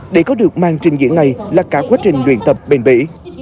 để có được màn trình diễn này là cả quá trình luyện tập bền bỉ